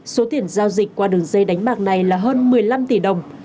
số tiền giao dịch qua đường dây đánh bạc này là hơn một mươi năm tỷ đồng